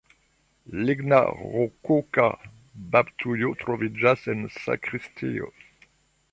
Ligna rokoka baptujo troviĝas en sakristio.